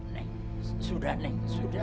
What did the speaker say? neng sudah neng sudah